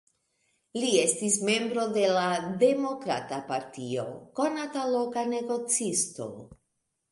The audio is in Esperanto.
Li estis membro de la Demokrata Partio, konata loka negocisto.